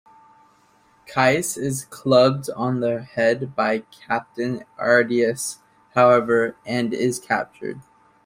Kais is clubbed on the head by Captain Ardias, however, and is captured.